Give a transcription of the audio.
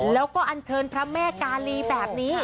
แล้วก็อันเชิญพระแม่กาลีแบบนี้